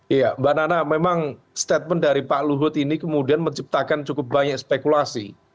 iya mbak nana memang statement dari pak luhut ini kemudian menciptakan cukup banyak spekulasi